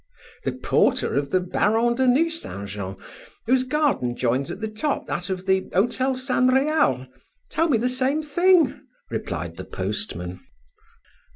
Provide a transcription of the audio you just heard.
"The porter of the Baron de Nucingen, whose garden joins at the top that of the Hotel San Real, told me the same thing," replied the postman.